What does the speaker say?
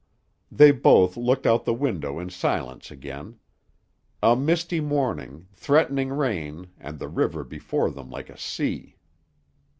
They both looked out the window in silence again. A misty morning, threatening rain, and the river before them like a sea.